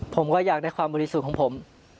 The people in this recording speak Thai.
ผมก็อยากได้ความบริสุทธิ์ของผม